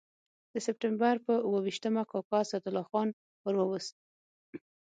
د سپټمبر پر اووه ویشتمه کاکا اسدالله خان ور ووست.